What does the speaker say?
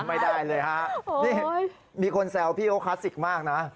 ไม่ได้เลยฮะนี่มีคนแซวพี่เขาคลาสสิกมากนะ